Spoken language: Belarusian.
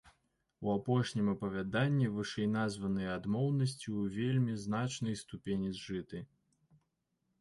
У апошнім апавяданні вышэйназваныя адмоўнасці ў вельмі значнай ступені зжыты.